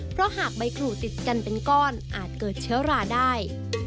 เพราะหากใบขู่ติดกันเป็นก้อนอาจเกิดเชื้อราได้